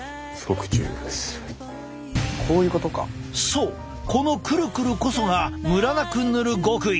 そうこのクルクルこそがムラなく塗る極意！